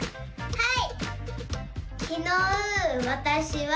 はい！